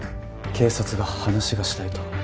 警察が話がしたいと。